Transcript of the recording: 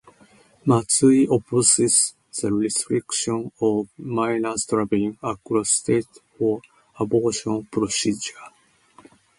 Matsui opposes the restriction of minors traveling across states for abortion procedure.